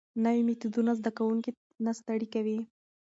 نوي میتودونه زده کوونکي نه ستړي کوي.